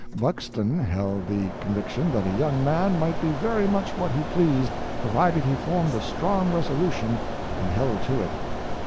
Buxton held the conviction that a young man might be very much what he pleased, provided he formed a strong resolution and held to it.